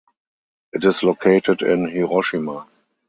It is located in Hiroshima.